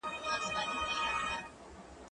هغه وویل چې زه درس لولم!.